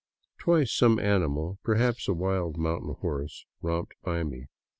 Twice some animal, perhaps a wild mountain horse, romped by me.